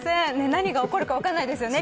何が起こるか分からないですよね